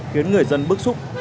khiến người dân bức xúc